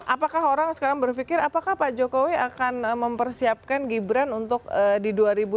apakah orang sekarang berpikir apakah pak jokowi akan mempersiapkan gibran untuk di dua ribu dua puluh